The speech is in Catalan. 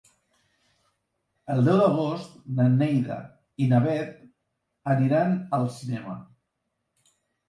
El deu d'agost na Neida i na Bet aniran al cinema.